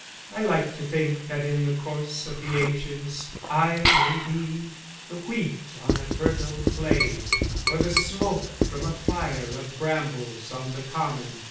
I like to think that in the course of ages I may be the wheat on a fertile plain, or the smoke from a fire of brambles on the common.